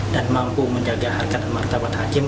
dan mampu menjaga harga dan martabat hakim